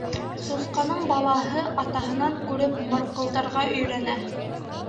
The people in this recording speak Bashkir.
Сусҡаның балаһы атаһынан күреп, мырҡылдарға өйрәнә.